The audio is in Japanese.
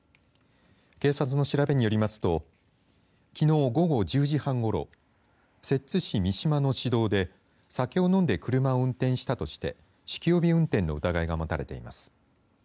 警察の調べによりますときのう午後１０時半ごろ摂津市三島の市道で酒を飲んで車を運転したとして酒気帯び運転の疑いが持たれています。